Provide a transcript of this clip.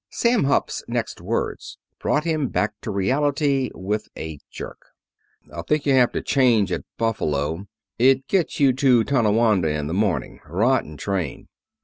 Sam Hupp's next words brought him back to reality with a jerk. "I think you have to change at Buffalo. It gets you to Tonawanda in the morning. Rotten train."